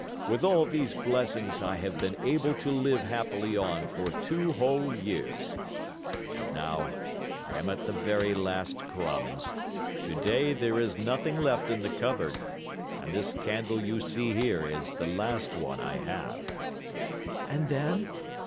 With all these blessings, I have been able to live happily on for two whole years, but now I am at the very last crumbs. Today there is nothing left in the cupboard, and this candle you see here is the last one I have." "And then?"